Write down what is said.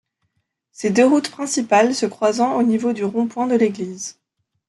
Ces deux routes principales se croisant au niveau du rond-point de l'église.